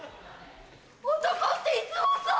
男っていつもそう！